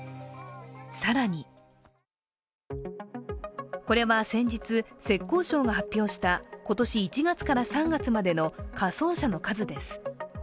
更にこれは先日、浙江省が発表した今年１月から３月までの火葬者の数です。